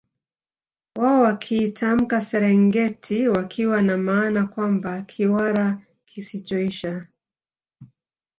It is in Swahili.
Wao wakiitamka Serengiti wakiwa na maana kwamba Kiwara kisichoisha